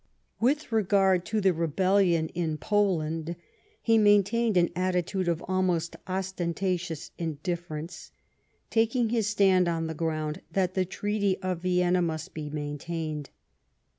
With regard to the rebellion in Poland, he maintained an attitude of almost ostentatious indifference, taking his stand on the ground that the Treaty of Vienna must be maintained.